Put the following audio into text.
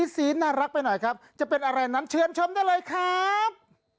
สีน่ารักไปหน่อยครับจะเป็นอะไรนั้นเชิญชมได้เลยครับ